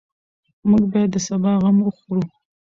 موږ باید د سبا غم وخورو.